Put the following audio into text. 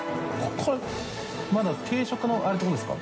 海まだ定食のあれってことですか？